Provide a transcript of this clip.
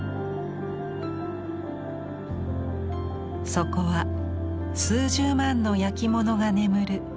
そこは数十万の焼き物が眠る